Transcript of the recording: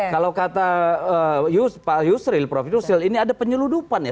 kalau kata pak yusril prof yusril ini ada penyeludupan ya